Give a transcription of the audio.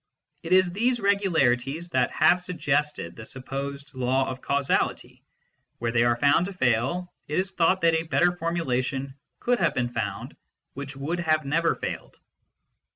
It is these! regularities that have suggested the supposed law of causality ; where they are found to fail, it is thought that a better formulation could have been found which would have never failed.